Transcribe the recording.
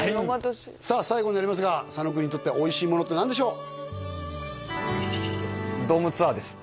さあ最後になりますが佐野君にとっておいしいものって何でしょう？